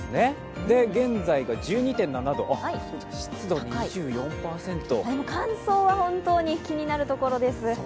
現在が１２．７度湿度２４％、乾燥は本当に気になるところです。